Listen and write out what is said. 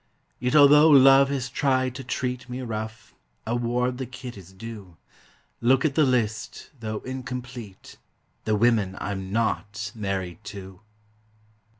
Yet although Love has tried to treat Me rough, award the kid his due. Look at the list, though incomplete: The women I'm not married to.